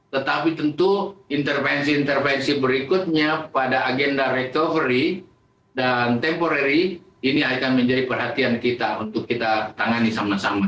tetapi tentu intervensi intervensi berikutnya pada agenda recovery dan temporary ini akan menjadi perhatian kita untuk kita tangani sama sama